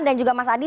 dan juga mas adi